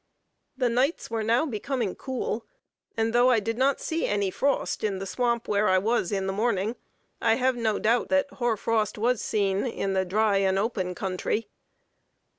The nights were now becoming cool, and though I did not see any frost in the swamp where I was in the morning, I have no doubt that hoar frost was seen in the dry and open country.